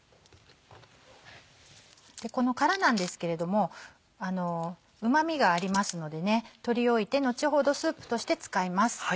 この殻なんですけれどもうま味がありますのでね取り置いて後ほどスープとして使います。